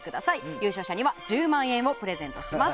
優勝者には１０万円プレゼントします。